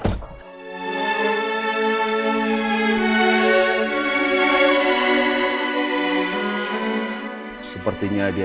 kamu mau pindah ke dalam